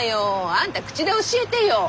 あんた口で教えてよ。